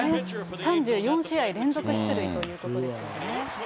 ３４試合連続出塁ということですよね。